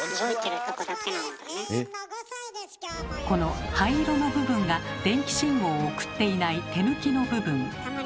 この灰色の部分が電気信号を送っていない手抜きの部分。